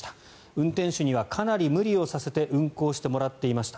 運転手にはかなり無理をさせて運行してもらっていました。